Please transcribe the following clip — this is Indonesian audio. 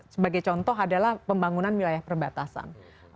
sebagai contoh adalah pembangunan wilayah perbatasan